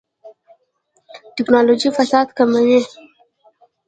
ټکنالوژي فساد کموي